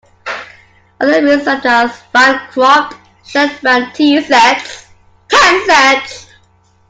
Other mills such as Bancroft Shed ran ten-sets.